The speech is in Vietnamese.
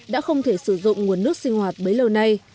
đã không thể sử dụng nguồn nước sinh hoạt bấy lâu nay